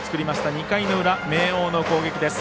２回の裏、明桜の攻撃です。